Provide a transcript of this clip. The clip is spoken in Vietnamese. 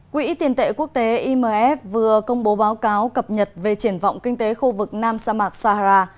quỹ tiền tệ quốc tế imf vừa công bố báo cáo cập nhật về triển vọng kinh tế khu vực nam sa mạc sahara